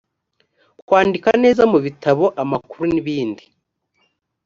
kwandika neza mu bitabo amakuru n ibindi